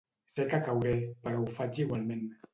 Sé que cauré, però ho faig igualment.